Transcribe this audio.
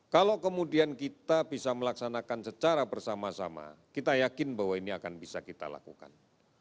kalau kemudian kita bisa melaksanakan secara bersama sama kita yakin bahwa ini akan bisa kita lakukan